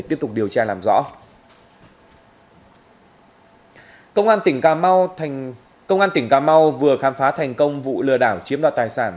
tiếp tục điều tra làm rõ công an tỉnh cà mau vừa khám phá thành công vụ lừa đảo chiếm đoạt tài sản